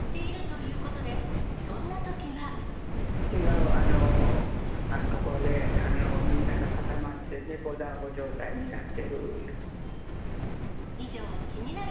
違うとこでみんなが固まって、猫だんご状態になってる。